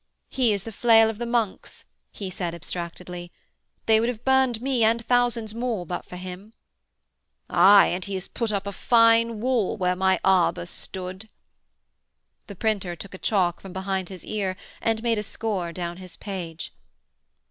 'He is the flail of the monks,' he said abstractedly. 'They would have burned me and thousands more but for him.' 'Aye, and he has put up a fine wall where my arbour stood.' The printer took a chalk from behind his ear and made a score down his page.